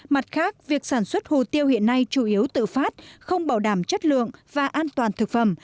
mặt khác việc sản xuất hồ tiêu hiện nay chủ yếu tự phát không bảo đảm chất lượng và an toàn thực phẩm